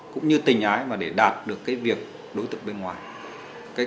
cũng như tình ái để đạt được việc đối tượng bên ngoài